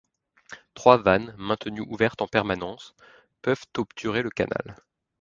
Trois vannes, maintenues ouvertes en permanence, peuvent obturer le canal.